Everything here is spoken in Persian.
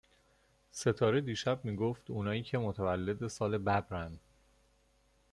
ستاره دیشب می گفت اونایی که متولد سال ببرن